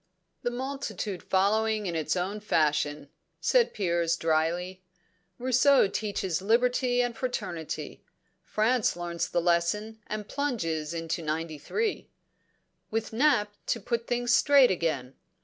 "The multitude following in its own fashion," said Piers drily. "Rousseau teaches liberty and fraternity; France learns the lesson and plunges into '93." "With Nap to put things straight again.